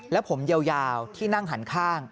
และผมยาวที่นั่งหันข้าง